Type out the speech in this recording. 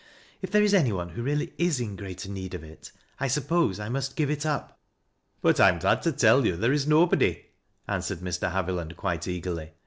If there is any one who really is in greater need of it, I suppose I must give it up." " But I an? glad to tell you, there is nobody," answered 128 THAT LASS Q LOWRWS. Mr. Haviland quite eagerly.